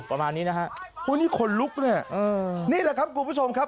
ประมาณนี้นะฮะอุ้ยนี่คนลุกเนี่ยนี่แหละครับคุณผู้ชมครับ